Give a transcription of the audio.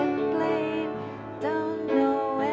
mbak desi nyanyi